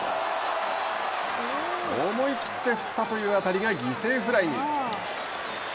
思い切って振ったという当たりが犠牲フライに。